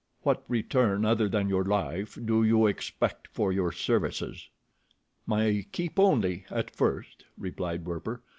What return, other than your life, do you expect for your services?" "My keep only, at first," replied Werper.